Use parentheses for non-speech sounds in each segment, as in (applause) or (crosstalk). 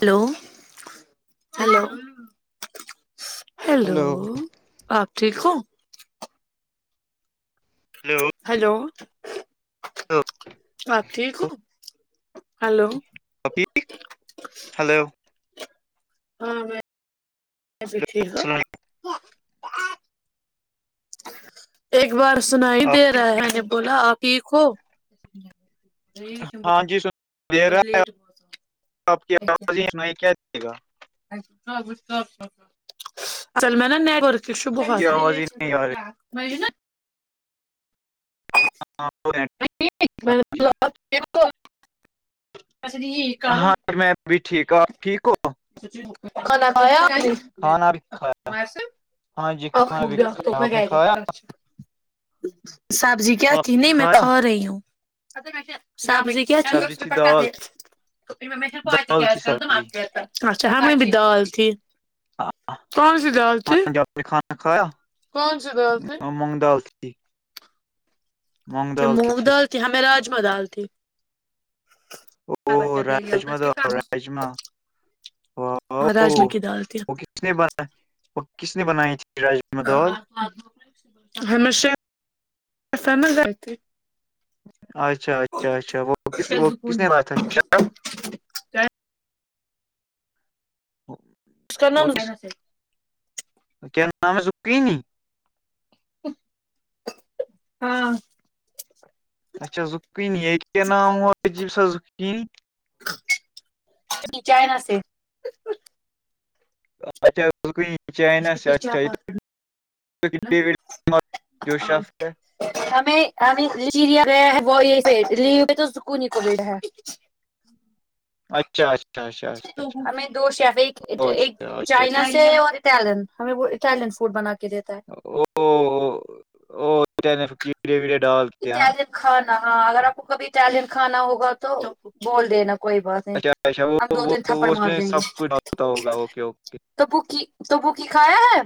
hello hello hello hello آپ ٹھیک ہو ہلو ہلو بات ٹھیک ہو ہلو ہلو ہاں میں بھی ٹھیک ہ ایک بار سنا ہی دے رہا ہے نے بولا آپ ٹھیک ہو ہاں جیا آپ کی آواز ہی کیا دیے گا اصل میں نےا ن ت ش بہت کی آواز ہی نہیں آ مج نا ہاں (unintelligible) (unintelligible) کھانا بھی کھایا (unintelligible) ہاں جی کھانا بھی کھایا آپ نے کھایا (unintelligible) آپ نے کھایا (unintelligible) سبزی تھی دال دال تھی سبزی (unintelligible) (unintelligible) کون سی دال تھی کون سی دال تھی (unintelligible) ج مونگ دال تھی ہمیں راجما دال تھی او راجما دال راجما واہ وہ (unintelligible) کس نے بنا وہ کس نے بنائی تھی راجما دال ہم ش اچھا اچھا اچھا (unintelligible) اس (inaudible) وہ کس (unintelligible) (unintelligible) (unintelligible) (unintelligible) (unintelligible) (unintelligible) (unintelligible) (unintelligible) (unintelligible) اچھا اچھا (unintelligible) اچھا (unintelligible) (unintelligible) (unintelligible) بول دے نا کوئی بات نہیں اچھا اچھا وہ ہم دو وہ تین تھپڑ وہ اس مار میں دیں گے سب کچھ ڈالتا ہوگا اوکے اوکے توبک تبوک کھایا ہے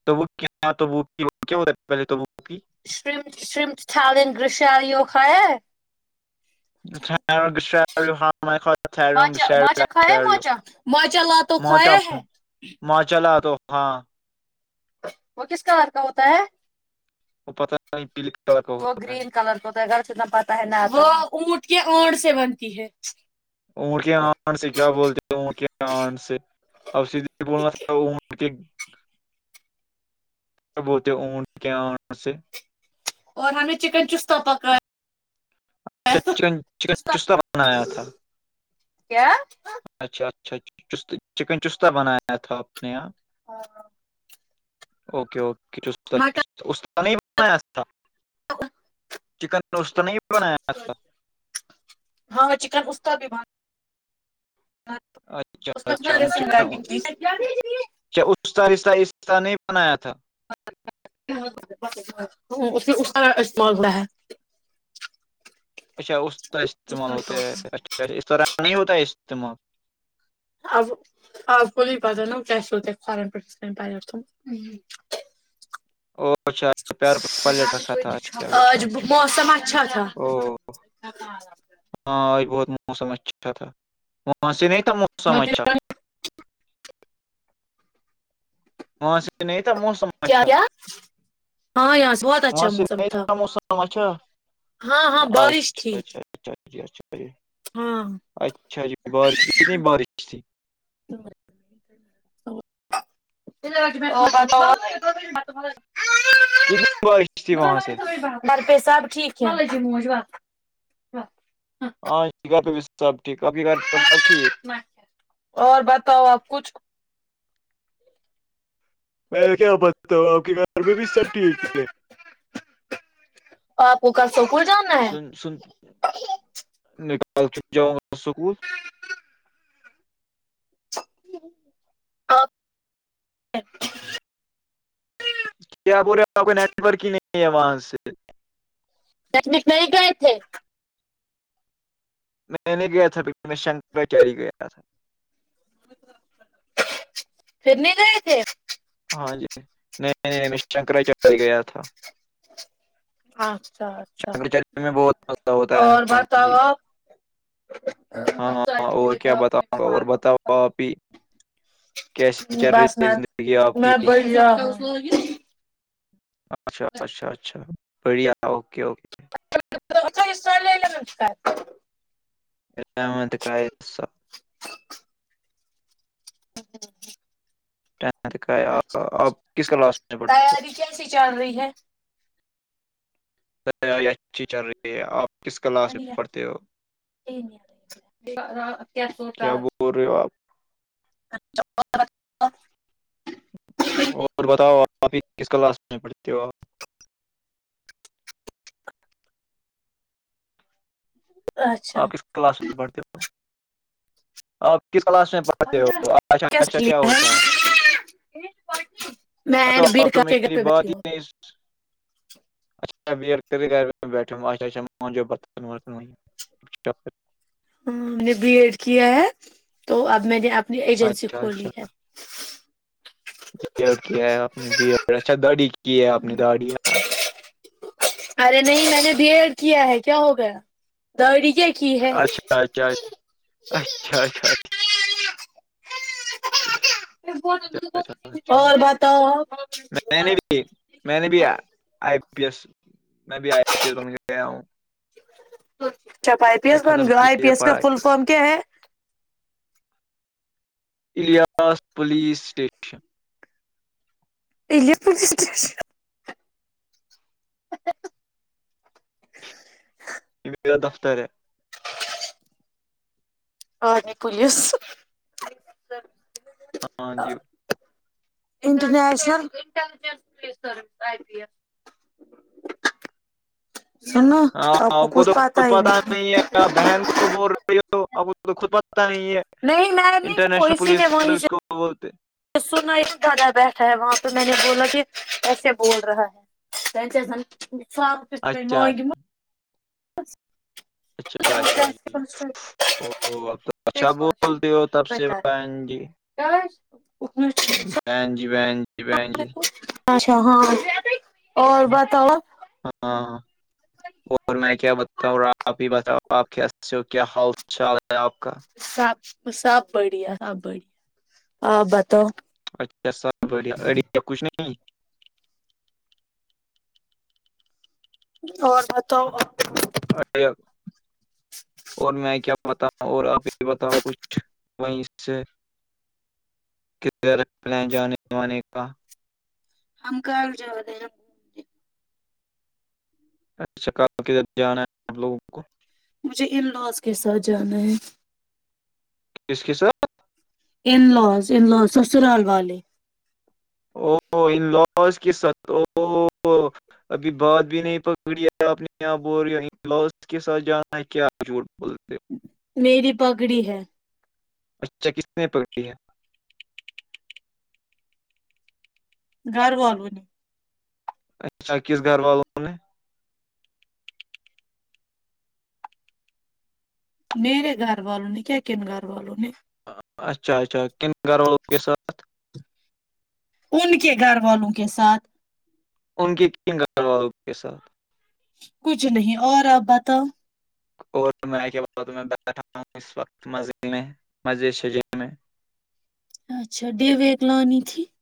(unintelligible) شم شمالین گسالخ ر ہ م ماچا رگر ماچا ماچا لا تو کھایا ہے ما چلا آ تو ہاں وہ کس کار کا ہوتا ہے وہ پت نہیں پلک کلر کا ہوتا ہے ہوتا ہے گھر سے نہ پتہ ہے نا وہ اونٹ کے اڈ سے بنتی ہے اون کے آٹ سے کیا بولتے ہو ا کے آان سے اور سید بولنا تھا بتے اونٹ کے آ سے اور ہمیں چکن چستہ پکایا اچ چکن چکن چستا بنایا تھا کیا اچھا اچھا چکن چستتا بنایا تھا آپ نے یہاں ہاں اوکے اوکے اس نہیں چکن روز تو نہیں بنایا ہاں چکن اس کا بھی ب اچھا (inaudible) کیا اس اسہہہ نہیں بنایا تھا (inaudible) اس اس کا استعمال ہوڑا ہے اچھا اس کا استعمال ہوتا ہے اچھا اا اس طرح نہیں ہوتا ہے استعمال اب آپ کوول ہی پتہ ن کیا س کورن پیھ ک پ او اچھا پیار پر پلیٹ رکھا تھا اچھا (inaudible) اچھا آج اچھا موسم چا تھا او (inaudible) ہاں بہت موسم اچھا تھا وہاں سے نہیں تھا موسم اچھا وہاں سے نہیں تھا موسم کیا اچھا کیا ہاں یہاں سے بہت وہاں اچھا سے موسم تھا موسم اچھا ہاں ہاں اچھا بارش تھی اچھاچ اچھا جی اچھا جی ہاں اچھا جی بارش کتنی بارش ت تو س میں کتنی بارش تھی وہاں سے برپے سب ٹھیک ہے مو و ہاں گھر پہ سب ٹھیک آ گھر پر سب ٹھیک اور بتاؤ آپ کچھ میں کیا بتتا ہوں آپ کے گھر پہ بھی سب ٹھیک ہے اور آپ کو کل سپول جانا ہے سن سن نکال کے جاؤں گا سکول آپ کیا بول رہے آپ نیٹ ورک ہی نہیں ہے وہاں سے تکمش نہیں گئے تھے میں نے گیا تھا پ میں شنکرچ گیا تھا پھر نہیں جی تھے ہاں جی نہیں نہیں ہم شنکراچار گیا تھا (unintelligible) اچھا اچھا شنکراچاری میں بہت مزہ ہوتا ہے اور ہاں بتاؤ جی آپ (unintelligible) ہاں ہاںاں اور کیا بتاؤں گا اور بتاؤ اب بھی (unintelligible) کیسی چل رہی بس ہے میں زندگی آپ (unintelligible) میں بھیا (unintelligible) اچھا اچھا اچھاڑیا اوکے اوکے (unintelligible) سٹال نمسکار ال م کا س ہ ہ (unintelligible) آپ کس کلاس میں پڑھتے ہو تیاری کیسی چل رہی ہے اچھی چل رہی ہے آپ کس کلاس میں پڑھتے ہو کیس گ ب رہےو آپ (unintelligible) اور بتاؤ آپ ہی کس کلاس پڑتے ہو آپ اچھا آپ کس کلاس میں پڑھتے ہو آپ کس کلاس میں پڑھتے ہو اچھا اچھا کیسے کیا لیا ہوتا ہے ا میں تو بی آپ ایڈ تو کر کے گھر میری پہ بات بیٹھی ہی ہوں نہیں اچ بیھچ پ (unintelligible) ہ ہم نے بی ایڈ کیا ہے تو اب میں نے اپنی ایجنسی کھولی ہے بی کیا ہے نے بی اچھا دڑی کی ہے آپ نے دڑی ارے نہیں میں نے بی ایڈ کیا ہے کیا ہو گیا دوڑی کیا کی ہے اچھا اچھا اچھا اچھا اچھا اچھا اور بتاؤ آپ میں نے بھی میں نے بھی آئی پی ایس میں بھی آئی پی ایل میں گیا ہوں چپ آئی پی میں ایس بن ختم گ کی آئی پی ہے ایس کا فل پڑھائی فم کیا ہے الیاس پولیسٹیش علیپور ڈسٹکٹ میرا دفتر ہے اور نہیں پولیس ہاں جی انٹرنیشنلجسلی سروس آئی پی ایس س نا آپ کو کچھ پاتا ہی نہیں کیا بہن کو بول رہی ہو اب اس تو خود پتہ نہیں ہے نہیں م نہیں انٹرنیشنل اسی نے پولیس وہی سے سروس کو بولتے تو سنا ہی زیادہ بیٹھا ہے وہاں پہ میں نے بولا کہ کیسے بول رہا ہے تل سے آان سب کت اچھا لاگ م اچھا اچھا جی اوب تو اچھا بولتے ہو تب سے بن جی کیا بن جی بن جی بن جی اچھا ہاں اور بتاؤ ہاں ہاں اور میں کیا بتاؤ آپ ہی ب آپ کے کیا حال چال ہے آپ کا سب سب بڑھیا سب بڑیا آپ بتاؤ اچھا سب بڑھیا اڑی کچھ نہیں اور میں تو ا (unintelligible) اور میں کیا بتاؤں اور آپ بھی بتاؤں کچھ وہیں سے جانےانے کا ہم کل جا د ہیں اچھا کل کدھر جانا ہے ہم لوگوں کو مجھے ان لوز کے ساتھ جانا ہے کس کی سر ان لوز ان لوز سسرال والے او ان لوز کی س (inaudible) ابھی بات بھی نہیں پکڑی آپ نے یہاں بی کے ساتھ جانا ہے کیا جھوٹ بولتے ہو (inaudible) میری پگڑی ہے اچھا کس نے پکڑی ہے (inaudible) گھر والول نہیں (unintelligible) اچھا کس گھر والوں نے میرے گھر والوں نے کیا کن گھر والوں نے اچھا اچھا کن گھر وال لگ کے سات (inaudible) ان کے گھر والوں کے ساتھ ان کی ک گو اوے سر (inaudible) کچھ نہیں اور آپ بتاؤ اور میں کے بعد بیٹھا ہوں اس وقت مسجد میں مسجد سے (inaudible) اچھا ڈیویک لانی تھی (inaudible)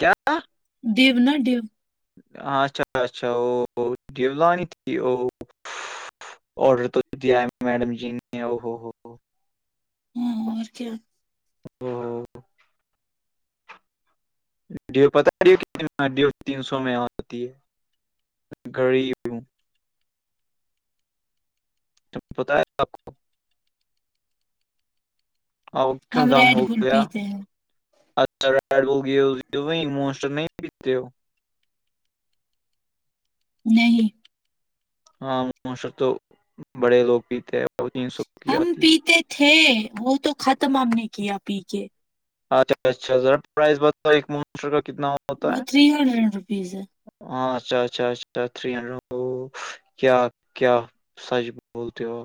کیا (inaudible) دیو نہا ڈو (inaudible) اچھا اچھا او دیولانی تھی او (inaudible) آڈر تو دیا ہے میڈم جی نے ا ہو ہو (inaudible) اور کیا (inaudible) (inaudible) ی پتاتڈی تین سو میں ہوتی ہے (inaudible) گڑیوں (inaudible) بت (inaudible) آؤ کیوں ہم دم ہو ریڈ بل گیا (inaudible) پیتے ہیں اچھا ری بول گی موسٹر نہیںتے ہو (inaudible) نہیں ہاں معاشر تو بڑے لوگ بھی تھے سکی ہم آتی ہے (inaudible) پیتے تھے وہ تو ختم ہم نے کیا پی کے اچھا اچھاذا پرائز بتا ایک مر کا کتنا (inaudible) وہ تھری ہنڈریڈ روپیز ہے ہاں اچھا اچھا اچھا تھ ہڈ کیا کیا (inaudible) سچ بولتے ہو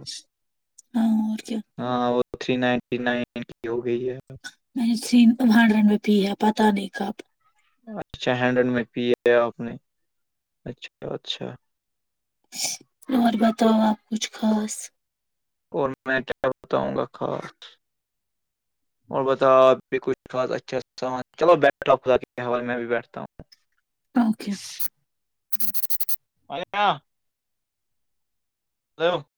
ہاں اور کیا (inaudible) ہاں وہ تھری نائنٹی نائن کی ہو گئی ہے (inaudible) میں نے سین بانڈرن میں پی ہے پتہ نہیں کب (inaudible) اچھا ہینڈ میں پی اپ نے اچھا اچھا (inaudible) اور بتاؤ آپ کچھ خاص اور میں کیا بتاؤں گا خاص (inaudible) (inaudible) (inaudible) اور بت کچھ خاص اچھا س چلو بیٹھا خدا میں بھی بیٹھتا ہوں (inaudible) تھینک یو (inaudible) ا (inaudible) ہی (inaudible)